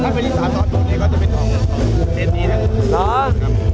ถ้าไม่ริสาตรอนตรงนี้ก็จะเป็นของเทพนี้นะครับ